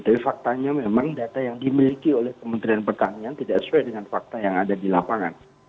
jadi faktanya memang data yang dimiliki oleh kementerian pertanian tidak sesuai dengan fakta yang ada di lapangan